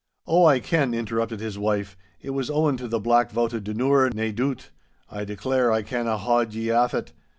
'Oh, I ken,' interrupted his wife, 'it was owing to the Black Vaut o' Dunure, nae doot! I declare I canna haud ye aff it.